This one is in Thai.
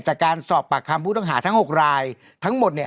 จากการสอบปากคำผู้ต้องหาทั้ง๖รายทั้งหมดเนี่ย